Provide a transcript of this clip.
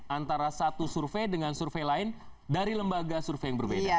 antara satu survei dengan survei lain dari lembaga survei yang berbeda